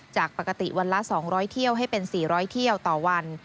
จากปกติวันละ๒๐๐เที่ยวให้เป็น๔๐๐เที่ยวต่อวัน